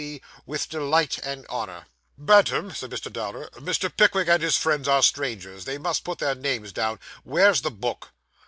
C. with delight and honour. 'Bantam,' said Mr. Dowler, 'Mr. Pickwick and his friends are strangers. They must put their names down. Where's the book?